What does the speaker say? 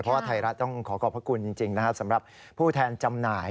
เพราะว่าไทยรัฐต้องขอขอบพระคุณจริงนะครับสำหรับผู้แทนจำหน่าย